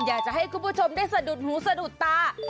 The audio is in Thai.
อยากจะให้คุณผู้ชมได้สะดุดหูสะดุดตา